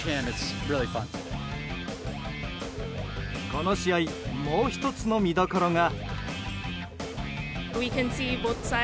この試合もう１つの見どころが。